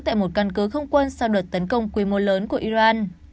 tại một căn cứ không quân sau đợt tấn công quy mô lớn của iran